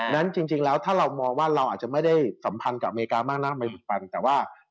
และจริงแล้วถ้ามองว่าเราอาจจะไม่ได้สัมพันธ์กับอเมริกามากนะครับ